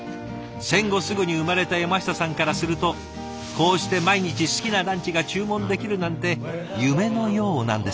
戦後すぐに生まれた山下さんからするとこうして毎日好きなランチが注文できるなんて夢のようなんですって。